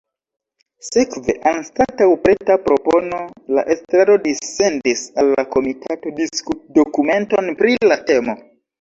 Sekve anstataŭ preta propono la estraro dissendis al la komitato "diskutdokumenton" pri la temo.